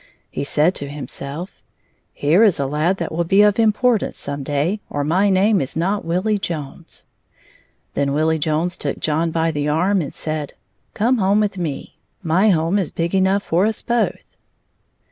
He said to himself: "Here is a lad that will be of importance some day, or my name is not Willie Jones!" Then Willie Jones took John by the arm and said: "Come home with me. My home is big enough for us both."